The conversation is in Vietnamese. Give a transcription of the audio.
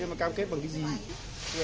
nhưng mà cam kết bằng cái gì